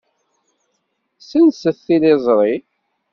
Ssenset tiliẓri.